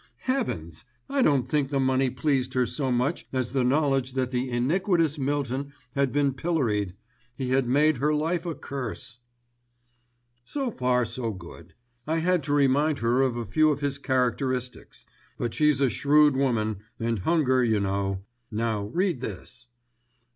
Heavens! I don't think the money pleased her so much as the knowledge that the iniquitous Mylton had been pilloried. He had made her life a curse." "So far so good. I had to remind her of a few of his characteristics; but she's a shrewd woman, and hunger you know. Now read this."